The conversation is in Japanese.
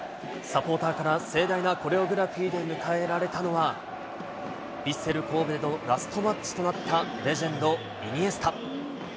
サポーターから盛大なコレオグラフィーで迎えられたのは、ヴィッセル神戸のラストマッチとなったレジェンド、イニエスタ。